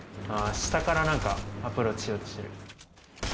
あ下から何かアプローチしようとしてる。